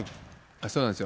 そうなんですよ。